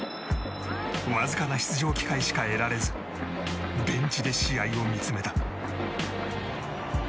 わずかな出場機会しか得られずベンチで試合を見つめた。